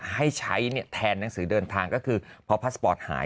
ให้ใช้แทนหนังสือเดินทางก็คือพอพาสปอร์ตหาย